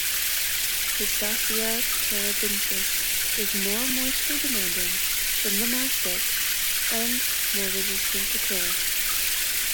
Pistacia terebinthus is more moisture demanding than the mastic and more resistant to cold.